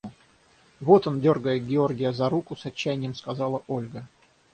– Вот он! – дергая Георгия за руку, с отчаянием сказала Ольга.